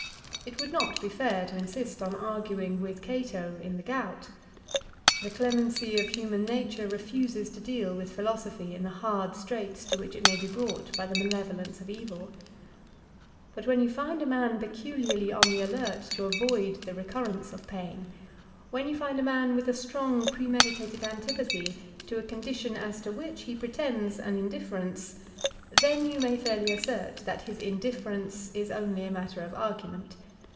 It would not be fair to insist on arguing with Cato in the gout. The clemency of human nature refuses to deal with philo sophy in the hard straits to which it may be brought by the malevolence of evil. But when you find a man peculiarly on the alert to avoid the recurrence of pain, when you find a man with a strong premeditated antipathy to a condition as to which he pretends an indifference, then you may fairly assert that his indifference is only a matter of argument.